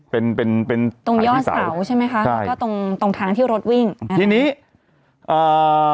เป็นถ่ายพิเศษใช่ไหมคะตรงทางที่รถวิ่งอ่าที่นี้อ่า